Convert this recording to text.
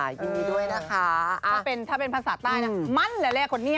ยินดีด้วยนะคะถ้าเป็นภาษาใต้นะมั่นแหละเลขคนนี้